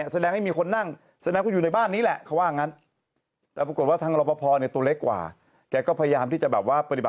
จริงจริงจริงจริงจริงจริงจริงจริงจริง